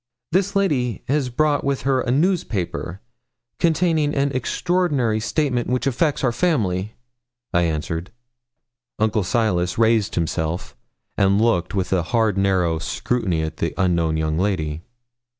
'This lady has brought with her a newspaper containing an extraordinary statement which affects our family,' I answered. Uncle Silas raised himself, and looked with a hard, narrow scrutiny at the unknown young lady.